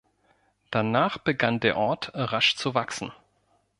Danach begann der Ort rasch zu wachsen.